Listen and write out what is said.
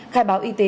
khai báo y tế